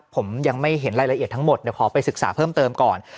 ผมยังไม่เห็นรายละเอียดทั้งหมดเดี๋ยวขอไปศึกษาเพิ่มเติมก่อน